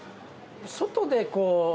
外でこう。